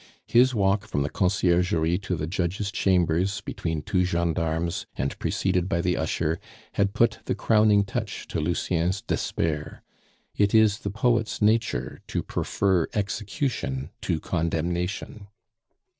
His walk from the Conciergerie to the judge's chambers, between two gendarmes, and preceded by the usher, had put the crowning touch to Lucien's despair. It is the poet's nature to prefer execution to condemnation.